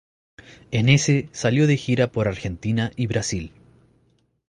En ese salió de gira por Argentina y Brasil.